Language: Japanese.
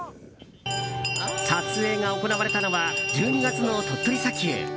撮影が行われたのは１２月の鳥取砂丘。